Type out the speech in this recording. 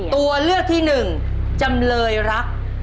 ตัวเลือกที่หนึ่งจำเลยรัก